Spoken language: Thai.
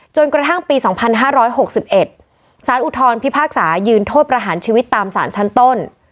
จนกระทั่งปีสองพันห้าร้อยหกสิบเอ็ดศาลอุทธรพิพากษายืนโทษประหารชีวิตตามศาลชั้นต้น